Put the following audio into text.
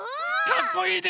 かっこいい！